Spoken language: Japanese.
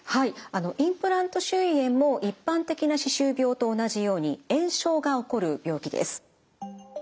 あのインプラント周囲炎も一般的な歯周病と同じように炎症が起こる病気です。